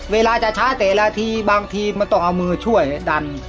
เวลาจะช้าแต่ละทีบางทีมันต้องเอามือช่วยดัน